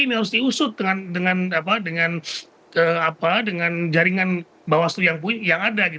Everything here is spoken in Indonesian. ini harus diusut dengan jaringan bawaslu yang ada